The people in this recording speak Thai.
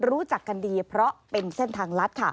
รู้จักกันดีเพราะเป็นเส้นทางลัดค่ะ